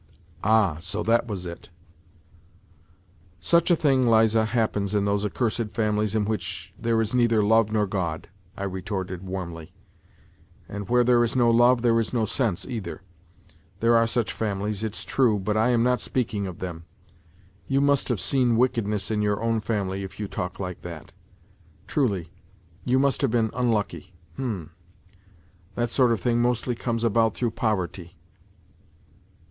Ah, so that was it !" Such a thing, Liza, happens in those accursed families in which there is neither love nor God," I retorted warmly, " and where there is no love, there is no sense either. There are such families, it's true, but I am not speaking of them. You must have seen wickedness in your own family, if you talk like that. Truly, you must have been unlucky. H'm !... that sort of thing mostly comes about through poverty."